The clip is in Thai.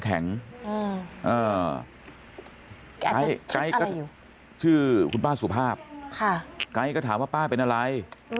แกอาจจะคิดอะไรอยู่ชื่อคุณป้าสุภาพแกก็ถามว่าป้าเป็นอะไร